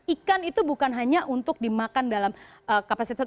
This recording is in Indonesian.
ikan itu bukan hanya untuk dimakan dalam kapasitas